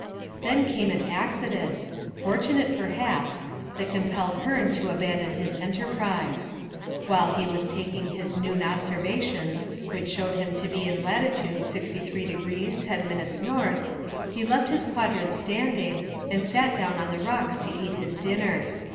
Then came an accident, fortunate perhaps, that compelled Hearne to abandon his enterprise. While he was taking his noon observations, which showed him to be in latitude 63° 10' north, he left his quadrant standing and sat down on the rocks to eat his dinner.